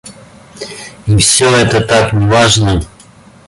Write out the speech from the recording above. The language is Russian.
И всё это так неважно.